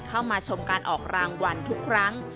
เข้ามาชมการออกรางวัลทุกครั้ง